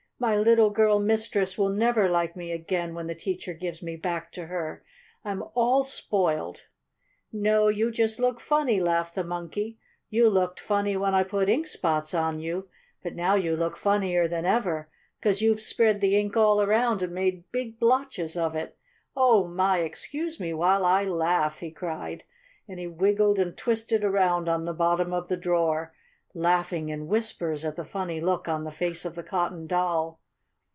"My little girl mistress will never like me again when the teacher gives me back to her. I'm all spoiled!" "No, you just look funny!" laughed the Monkey. "You looked funny when I put ink spots on you, but now you look funnier than ever, 'cause you've spread the ink all around, and made big splotches of it. Oh, my! Excuse me while I laugh!" he cried, and he wiggled and twisted around on the bottom of the drawer, laughing in whispers at the funny look on the face of the Cotton Doll.